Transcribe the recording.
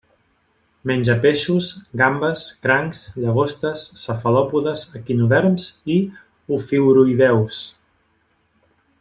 Menja peixos, gambes, crancs, llagostes, cefalòpodes, equinoderms i ofiuroïdeus.